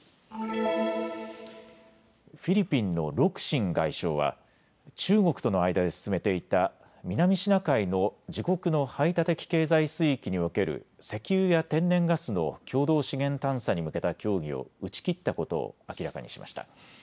フィリピンのロクシン外相は中国との間で進めていた南シナ海の自国の排他的経済水域における石油や天然ガスの共同資源探査に向けた協議を打ち切ったことを明らかにしました。